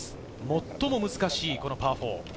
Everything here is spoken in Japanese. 最も難しい、このパー４。